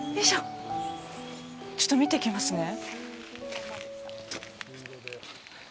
ちょっと見てきますね。